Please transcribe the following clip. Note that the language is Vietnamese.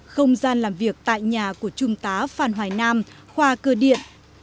không gian làm việc tại nhà của trung tá phan hoài nam khoa cơ điện